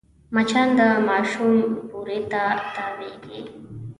مچان د ماشوم بوري ته تاوېږي